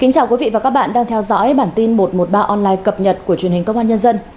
chào mừng quý vị đến với bản tin một trăm một mươi ba online cập nhật của truyền hình công an nhân dân